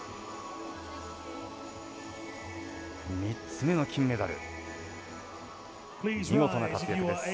３つ目の金メダル見事な活躍です。